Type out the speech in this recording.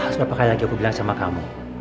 seberapa kali lagi aku bilang sama kamu